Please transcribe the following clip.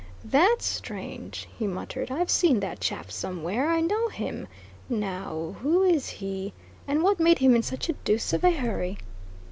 "That's strange!" he muttered. "I've seen that chap somewhere I know him. Now, who is he? And what made him in such a deuce of a hurry?"